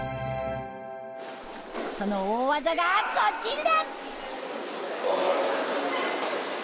その大技がこちら！